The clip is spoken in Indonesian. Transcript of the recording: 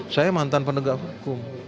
saya mantan penegak hukum